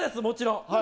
もちろん。